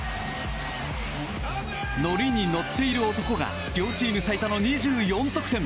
のりにのっている男が両チーム最多の２４得点。